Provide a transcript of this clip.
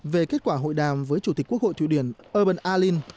về kết quả hội đàm với chủ tịch quốc hội thụy điển urban arlene